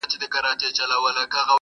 • مځکه هغه سوزي چي اور پر بل وي -